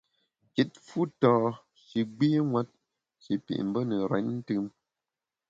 Kit fu tâ shi gbînwet, shi pit mbe ne renntùm.